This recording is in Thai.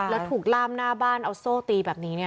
แล้วถูกล่ามหน้าบ้านเอาโซ่ตีแบบนี้